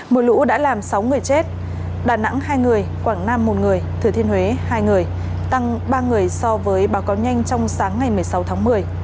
mưa lũ đã làm sáu người chết đà nẵng hai người quảng nam một người thừa thiên huế hai người tăng ba người so với báo cáo nhanh trong sáng ngày một mươi sáu tháng một mươi